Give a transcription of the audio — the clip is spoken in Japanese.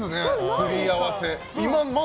すり合わせ。